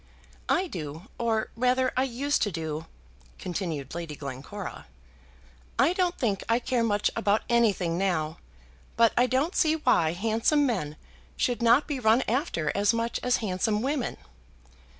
"I do; or, rather, I used to do," continued Lady Glencora. "I don't think I care much about anything now; but I don't see why handsome men should not be run after as much as handsome women."